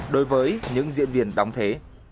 đối với những diễn viên đóng thế